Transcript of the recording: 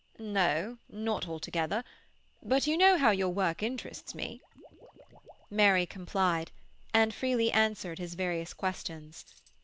"No, not altogether. But you know how your work interests me." Mary complied, and freely answered his various questions.